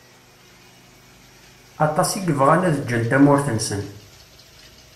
Aṭas i yebɣan ad ǧǧen tamurt-nsen.